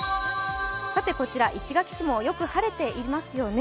さて、こちら石垣市もよく晴れていますよね。